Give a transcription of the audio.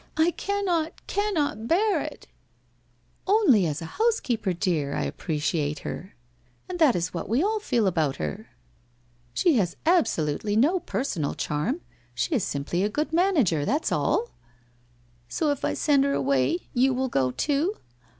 I cannot, cannot bear it !' 'Only as a housekeeper, dear, 1 appreciate her. And that it what we all feel about her! She has absolutely 190 WHITE ROSE OF WEARY LEAF no personal charm ; she is dimply a good manager, that's all!' * So if I send her away, you will go too?